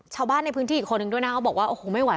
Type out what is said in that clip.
ชาวบ้านในพื้นที่อีกคนนึงด้วยนะเขาบอกว่าโอ้โหไม่ไหว